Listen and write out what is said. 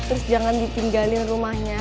terus jangan ditinggalin rumahnya